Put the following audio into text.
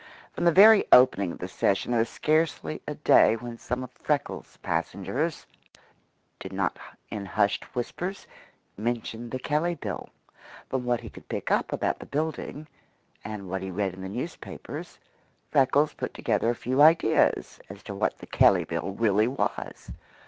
From the very opening of the session there was scarcely a day when some of Freckles' passengers did not in hushed whispers mention the Kelley Bill. From what he could pick up about the building, and what he read in the newspapers, Freckles put together a few ideas as to what the Kelley Bill really was.